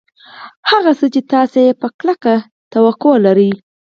هغه څه چې تاسې یې په کلکه توقع لرئ